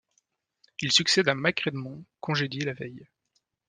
Il succède à Mike Redmond, congédié la veille.